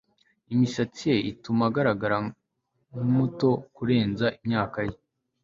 Imisatsi ye ituma agaragara nkumuto kurenza imyaka ye